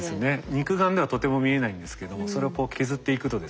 肉眼ではとても見えないんですけどもそれを削っていくとですね